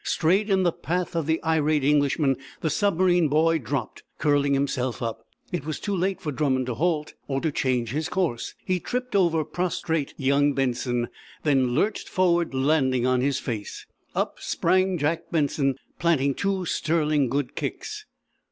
Straight in the path of the irate Englishman the submarine boy dropped, curling himself up. It was too late for Drummond to halt, or to change his course. He tripped over prostrate young Benson, then lurched forward landing on his face. Up sprang Jak Benson, planting two sterling good kicks.